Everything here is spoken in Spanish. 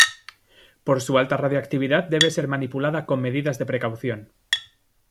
Por su alta radiactividad debe ser manipulada con medidas de precaución.